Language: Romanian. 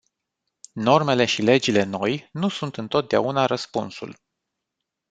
Normele și legile noi nu sunt întotdeauna răspunsul.